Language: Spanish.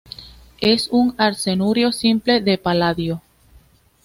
Es un arseniuro simple de paladio.